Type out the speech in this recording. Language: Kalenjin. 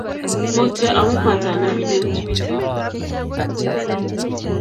Mutyo amu matanamin eut missing